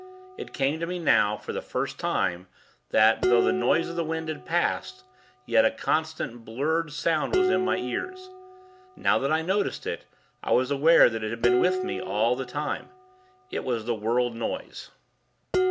It came to me now, for the first time, that, though the noise of the wind had passed, yet a constant 'blurred' sound was in my ears. Now that I noticed it, I was aware that it had been with me all the time. It was the world noise.